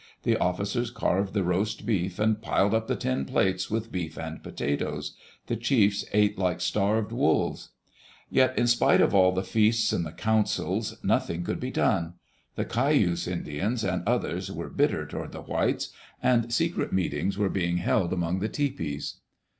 The officers carved the roast beef and piled up the tin plates with beef and potatoes. The chiefs ate like starved wolves. Yet in spite of all the feasts and the councils, nothing could be done. The Cayuse Indians and others were bitter toward the whites, and secret meetings were being held among the tepees.